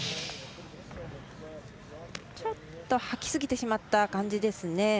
ちょっとはきすぎてしまった感じですね。